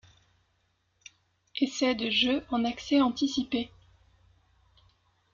Essais de jeux en accès anticipé.